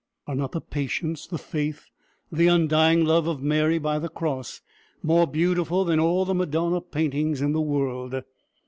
Are not the patience, the faith, the undying love of Mary by the cross, more beautiful than all the Madonna paintings in the world.